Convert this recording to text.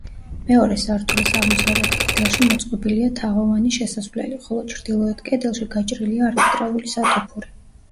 მეორე სართულის აღმოსავლეთ კედელში მოწყობილია თაღოვანი შესასვლელი, ხოლო ჩრდილოეთ კედელში გაჭრილია არქიტრავული სათოფური.